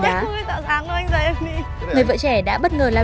phải bám đến cái thằng này